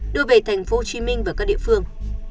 đưa về thành phố hồ chí minh và các địa phương